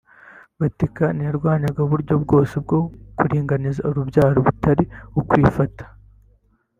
Vatikani yarwanyaga uburyo bwose bwo kuringaniza urubyaro butari ukwifata